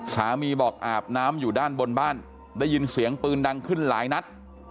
สามีบอกอาบน้ำอยู่ด้านบนบ้านได้ยินเสียงปืนดังขึ้นหลายนัด